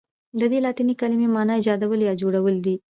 ددې لاتیني کلمې معنی ایجادول یا جوړول دي.